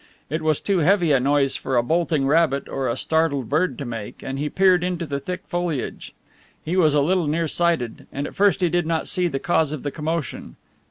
It was too heavy a noise for a bolting rabbit or a startled bird to make, and he peered into the thick foliage. He was a little nearsighted, and at first he did not see the cause of the commotion.